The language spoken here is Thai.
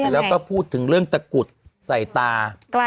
แล้วก็พูดถึงเรื่องตะกุดใส่ตา